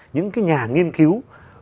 những cái nhà nghiên cứu